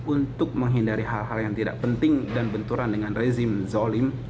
untuk menghindari hal hal yang tidak penting dan benturan dengan rezim zolim